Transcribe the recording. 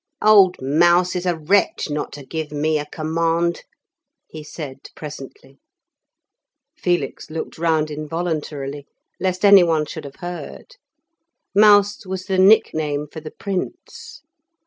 "Old Mouse is a wretch not to give me a command," he said presently. Felix looked round involuntarily, lest any one should have heard; Mouse was the nick name for the Prince.